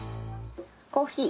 コーヒー。